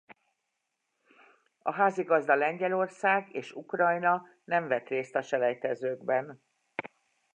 A házigazda Lengyelország és Ukrajna nem vett részt a selejtezőkben.